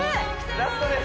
ラストです